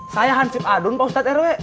saya hansip adun pak ustadz rw